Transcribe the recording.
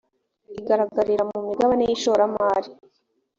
igaragarira mu migabane y ishoramari